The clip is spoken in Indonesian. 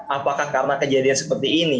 apakah karena kejadian seperti ini